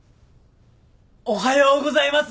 おはようございます！